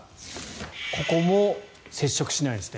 ここも接触しないんですね。